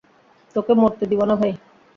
তোকে মরতে দিব না, ভাই।